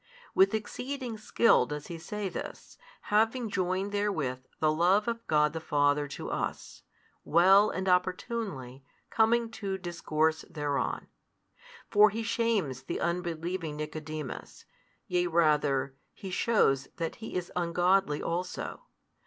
With exceeding skill does He say this, having joined therewith the love of God the Father to us, well and opportunely coming to discourse thereon. For He shames the unbelieving Nicodemus, yea rather, He shews that he is ungodly also.